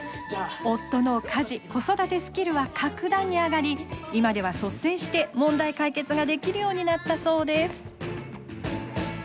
夫の家事、子育てスキルは格段に上がり、今では率先して問題解決ができるようになったそうです。